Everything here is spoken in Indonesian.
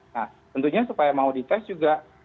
nah tentunya supaya mau dites juga